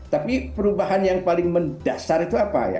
tapi perubahan yang paling mendasar itu apa ya